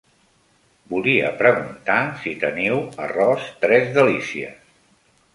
Volia preguntar si teniu arròs tres delicies?